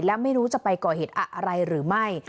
และไม่รู้จะไปก่อเหตุอะไรหรือไม่